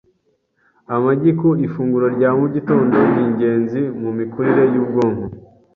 Amagi ku ifunguro rya mu gitondo n’ingenzi mu mikurire y’ubwonko